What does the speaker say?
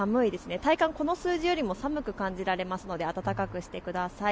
体感、この数字よりも寒く感じられますので暖かくしてください。